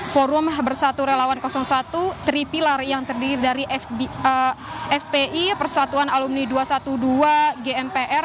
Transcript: forum bersatu relawan satu tripilar yang terdiri dari fpi persatuan alumni dua ratus dua belas gmpr